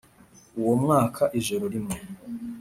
uwo mwaka ijoro rimwe